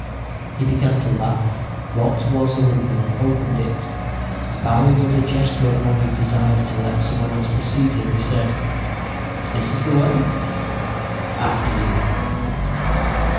"He began to laugh, walked toward the window, opened it, and bowing with the gesture of one who desires to let some one else precede him, he said: "'This is the way. After you!'